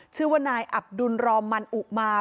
ชื่อว่านายอับดุลรอมันอุมา